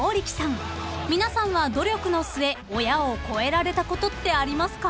［皆さんは努力の末親を超えられたことってありますか？］